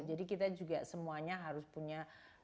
jadi kita juga semuanya harus punya